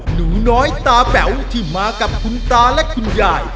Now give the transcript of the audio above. หนูน้อยตาแป๋วที่มากับคุณตาและคุณยาย